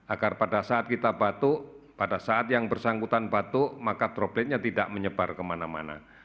agar pada saat kita batuk pada saat yang bersangkutan batuk maka dropletnya tidak menyebar kemana mana